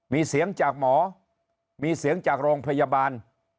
มีเสียงจากหมอมีเสียงจากโรงพยาบาล